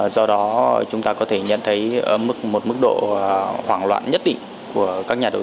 do đó chúng ta có thể nhận thấy mức một mức độ hoảng loạn nhất định của các nhà đầu tư